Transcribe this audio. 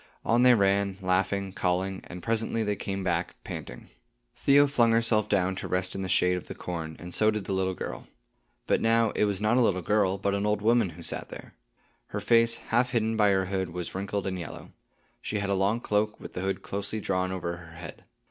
On they ran, laughing, calling, and presently they came back, panting. Theo flung herself down to rest in the shade of the corn, and so did the little girl. But now, it was not a little girl, but an old woman who sat there. Her face, half hidden by her hood, was wrinkled and yellow. She had a long cloak, with the hood closely drawn over her head.